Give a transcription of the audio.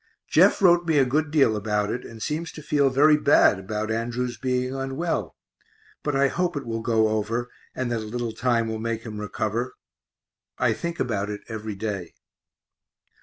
Jeff wrote me a good deal about it, and seems to feel very bad about Andrew's being unwell; but I hope it will go over, and that a little time will make him recover I think about it every day.